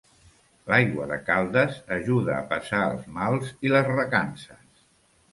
L'aigua de Caldes ajuda a passar els mals i les recances.